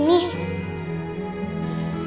ada titipan buat mama